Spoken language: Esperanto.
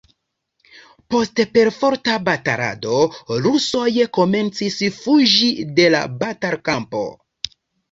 Post perforta batalado rusoj komencis fuĝi de la batalkampo.